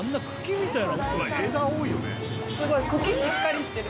すごい茎しっかりしてる。